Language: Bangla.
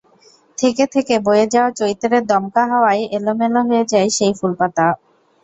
থেকে থেকে বয়ে যাওয়া চৈত্রের দমকা হাওয়ায় এলোমেলো হয়ে যায় সেই ফুলপাতা।